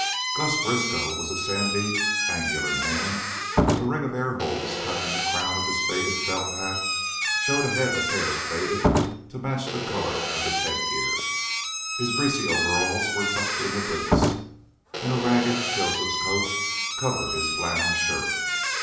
Gus Briskow was a sandy, angular man; a ring of air holes cut in the crown of his faded felt hat showed a head of hair faded to match the color of his headgear; his greasy overalls were tucked into boots, and a ragged Joseph's coat covered his flannel shirt.